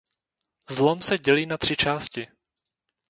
Zlom se dělí na tři části.